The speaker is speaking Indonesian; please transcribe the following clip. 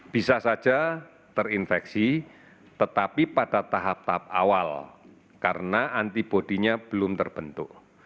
bisa saja terinfeksi tetapi pada tahap tahap awal karena antibody nya belum terbentuk